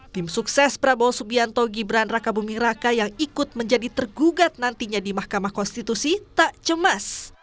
tim sukses prabowo subianto gibran raka buming raka yang ikut menjadi tergugat nantinya di mahkamah konstitusi tak cemas